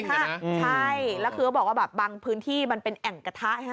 ใช่แล้วคือเขาบอกว่าแบบบางพื้นที่มันเป็นแอ่งกระทะใช่ไหม